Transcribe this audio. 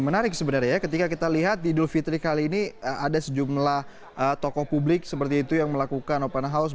menarik sebenarnya ya ketika kita lihat di idul fitri kali ini ada sejumlah tokoh publik seperti itu yang melakukan open house